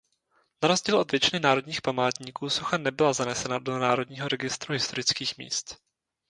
Na rozdíl od většiny národních památníků socha nebyla zanesena do Národního registru historických míst.